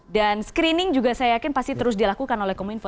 dan screening juga saya yakin pasti terus dilakukan oleh kominfo